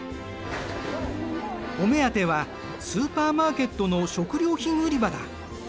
お目当てはスーパーマーケットの食料品売り場だ。